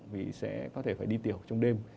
vì sẽ có thể phải đi tiểu trong đêm